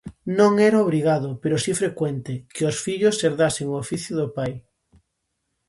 Non era obrigado, pero si frecuente, que os fillos herdasen o oficio do pai.